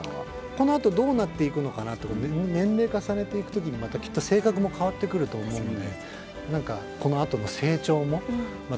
このあとどうなっていくのかなと年齢重ねていく時にまたきっと性格も変わってくると思うのでそうですよね。